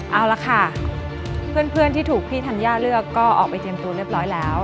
เอาละค่ะเพื่อนที่ถูกพี่ธัญญาเลือกก็ออกไปเตรียมตัวเรียบร้อยแล้ว